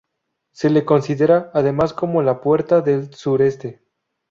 Se le considera, además como la Puerta del Sureste.